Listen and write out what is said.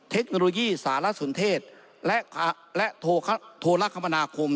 เทคโนโลยีสารสนเทศและโทรคมนาคม